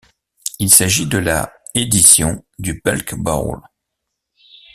Il s'agit de la édition du Belk Bowl.